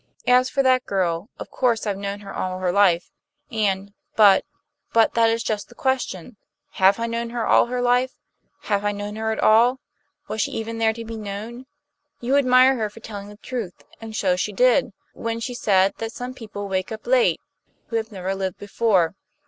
As for that girl, of course I've known her all her life, and but but that is just the question. Have I known her all her life? Have I known her at all? Was she even there to be known? You admire her for telling the truth; and so she did, by God, when she said that some people wake up late, who have never lived before.